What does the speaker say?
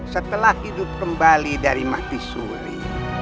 setelah hidup kembali dari mahdisuli